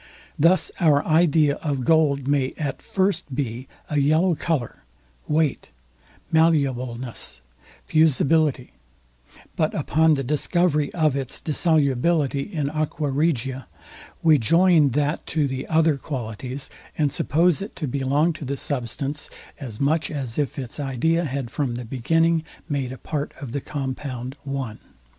Thus our idea of gold may at first be a yellow colour, weight, malleableness, fusibility; but upon the discovery of its dissolubility in aqua regia, we join that to the other qualities, and suppose it to belong to the substance as much as if its idea had from the beginning made a part of the compound one.